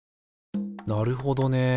なるほどね。